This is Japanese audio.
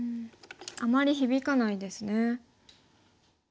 あまり響かないですね。